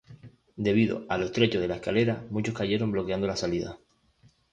Debido a lo estrecho de la escalera, muchos cayeron bloqueando la salida.